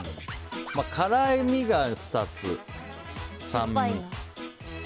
辛みが２つ、酸味。